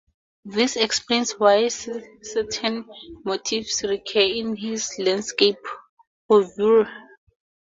This explains why certain motifs recur in his landscape oeuvre.